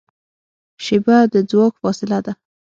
شیبه د ځواک فاصله ده.